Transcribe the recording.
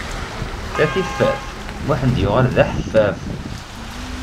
A tiffaf, Muḥend yuɣal d aḥeffaf!